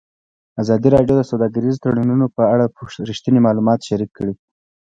ازادي راډیو د سوداګریز تړونونه په اړه رښتیني معلومات شریک کړي.